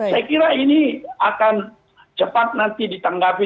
saya kira ini akan cepat nanti ditanggapi